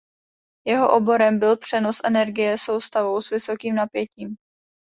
Jeho oborem byl přenos energie soustavou s vysokým napětím.